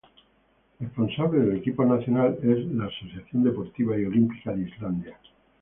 Responsable del equipo nacional es la Asociación Deportiva y Olímpica de Islandia.